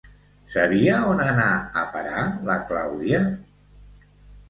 Sabia on anar a parar la Clàudia?